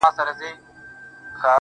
دا سپوږمۍ وينې,